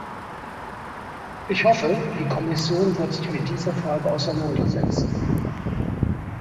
Ich hoffe, die Kommission wird sich mit dieser Frage auseinandersetzen.